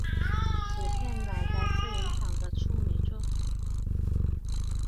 此片乃该摄影场的处女作。